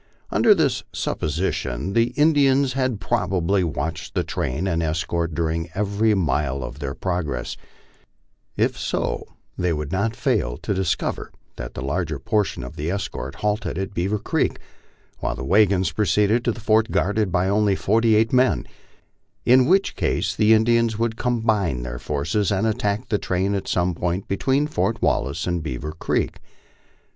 Under this supposition the Indians had probably watched the train and escort during every mile of their progress ; if so, they would not fail to dis ~over that the larger portion of the escort halted at Beaver Creek, while the wagons proceeded to the fort guarded by only forty eight men ; in which case the Indians would combine their forces and attack the train at some point be tween Fort Wallace and Beaver Creek.